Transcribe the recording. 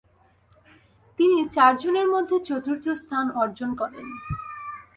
তিনি চারজনের মধ্যে চতুর্থ স্থান অর্জন করেন।